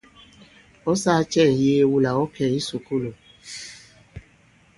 Ɔ̌ sāā cɛ ŋ̀yee wula ɔ̌ kɛ̀ i kisùkulù ?